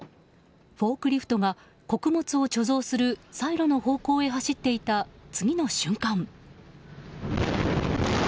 フォークリフトが穀物を貯蔵するサイロの方向へ走っていた次の瞬間。